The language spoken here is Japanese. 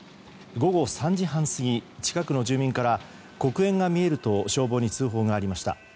午後３時半過ぎ、近くの住民から黒煙が見えると消防に通報がありました。